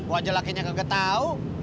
wajah lakinya kegetau